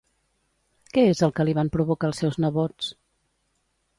Què és el que li van provocar els seus nebots?